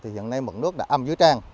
hiện nay mực nước đã âm dưới trang